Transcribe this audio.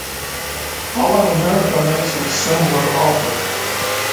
Holland America makes a similar offer.